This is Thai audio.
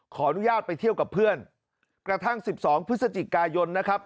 ขออนุญาตไปเที่ยวกับเพื่อนกระทั่ง๑๒พฤศจิกายนนะครับ